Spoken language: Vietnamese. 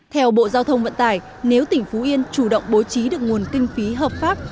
theo bộ giao thông vận tải nếu tỉnh phú yên chủ động bố trí được nguồn kinh phí hợp pháp